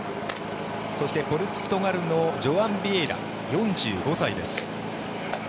そしてポルトガルのジョアン・ビエイラ４５歳です。